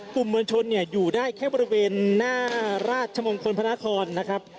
กลุ่มมวลชนอยู่ได้แค่บริเวณหน้าราชมงคลพนธ์พระนครนะครับ